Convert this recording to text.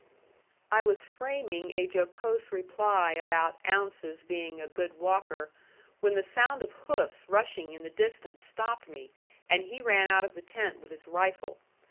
I was framing a jocose reply about Ounces being a good walker, when the sound of hoofs rushing in the distance stopped me, and he ran out of the tent with his rifle.